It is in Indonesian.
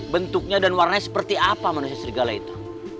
bentuknya dan warnanya seperti apa manusia serigala itu